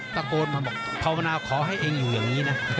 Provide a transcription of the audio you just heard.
ตะโกนมาบอกภาวนาขอให้เองอยู่อย่างนี้นะ